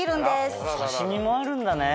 お刺身もあるんだね。